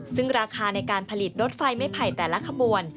ซึ่งราคาในการผลิตรถไฟไม่ไผ่แต่ละขบวน